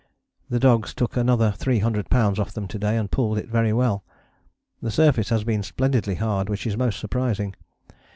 The dogs took another 300 lbs. off them to day, and pulled it very well. The surface has been splendidly hard, which is most surprising.